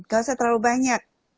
gak usah terlalu banyak